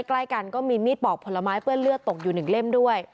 ใกล้กันก็มีมีดปอกผลไม้เปื้อนเลือดตกอยู่๑เล่มด้วย